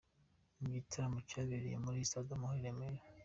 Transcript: Ni mu gitaramo cyabereye kuri Stade Amahoro i Remera.